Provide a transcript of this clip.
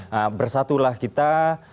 nah bersatulah kita